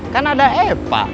kan ada hepa